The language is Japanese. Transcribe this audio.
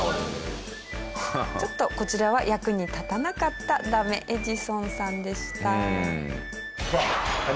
ちょっとこちらは役に立たなかったダメエジソンさんでした。